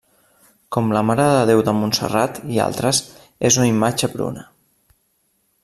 Com la Mare de Déu de Montserrat, i altres, és una imatge bruna.